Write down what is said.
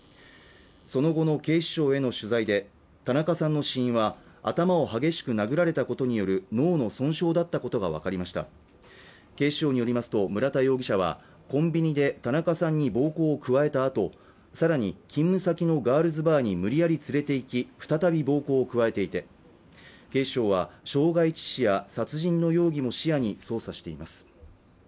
その後の警視庁への取材で田中さんの死因は頭を激しく殴られたことによる脳の損傷だったことが分かりました警視庁によりますと村田容疑者はコンビニで田中さんに暴行を加えたあとさらに勤務先のガールズバーに無理やり連れて行き再び暴行を加えていて警視庁は傷害致死や殺人の容疑も視野に捜査しています